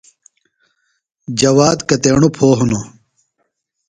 جواد کتیݨو پھو ہِنوۡ ؟